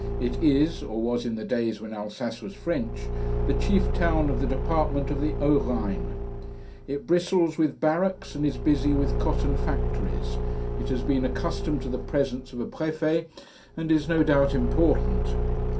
It is or was in the days when Alsace was French the chief town of the department of the Haut Rhine. It bristles with barracks, and is busy with cotton factories. It has been accustomed to the presence of a prefet, and is no doubt important.